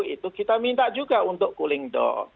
itu kita minta juga untuk cooling down